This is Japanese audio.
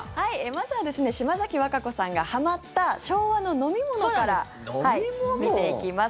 まずは島崎和歌子さんがはまった昭和の飲み物から見ていきます。